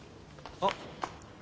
あっ。